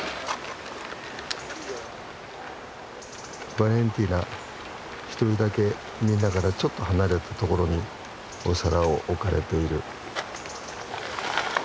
バレンティーナ一人だけみんなからちょっと離れた所にお皿を置かれている。